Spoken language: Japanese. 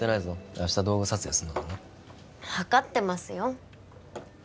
明日動画撮影するんだからな分かってますよ